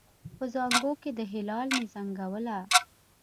په زانګو کې د هلال مې زنګوله